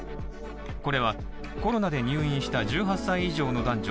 これはコロナで入院した１８歳以上の男女